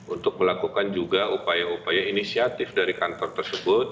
untuk melakukan juga upaya upaya inisiatif dari kantor tersebut